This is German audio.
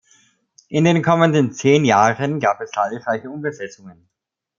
In den kommenden zehn Jahren gab es zahlreiche Umbesetzungen.